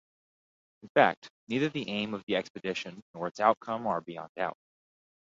In fact, neither the aim of the expedition nor its outcome are beyond doubt.